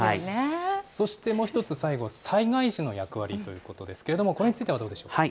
そしてもう一つ最後は災害時の役割ということですけれども、これについてはどうでしょうか。